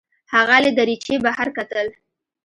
هغه له دریچې بهر کتل.